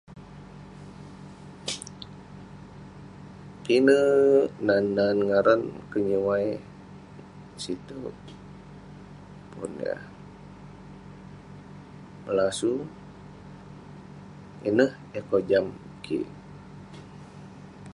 Pinek nan nan ngaran kenyuai sitouk. Pun yah belasung, ineh yah kojam kik.